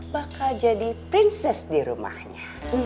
bakal jadi princess di rumahnya